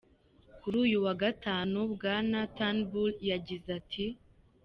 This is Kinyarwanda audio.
Kuri uyu wa gatanu, Bwana Turnbull yagize ati:.